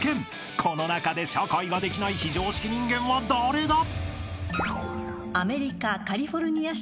［この中で社会ができない非常識人間は誰だ？］